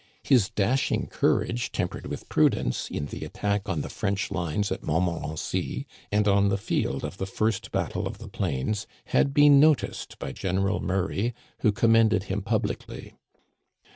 His dashing courage tem pered with prudence in the attack on the French lines at Montmorency and on the field of the first Battle of the Plains had been noticed by General Murray, who commended him publicly.